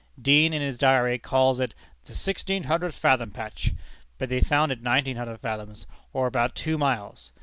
Deane, in his Diary, calls it "the sixteen hundred fathom patch," but they found it nineteen hundred fathoms, or about two miles!